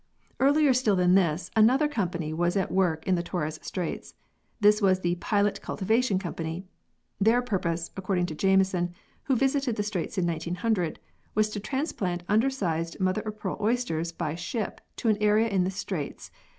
Earlier still than this, another company was at work in the Torres Straits. This was the "Pilot Cultivation Company." Their purpose (according to Jameson, who visited the Straits in 1900) was to transplant undersized mother of pearl oysters by ship to an area in the Straits.